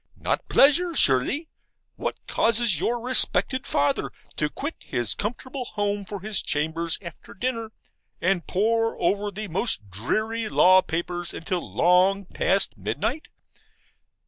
not pleasure, surely. What causes your respected father to quit his comfortable home for his chambers, after dinner, and pore over the most dreary law papers until long past midnight?